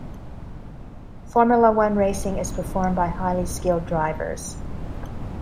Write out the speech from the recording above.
Formula one racing is performed by highly skilled drivers.